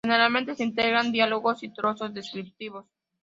Generalmente se integran diálogos y trozos descriptivos.